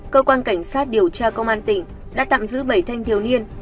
cơ quan cảnh sát điều tra công an tỉnh đã tạm giữ bảy thanh thiếu niên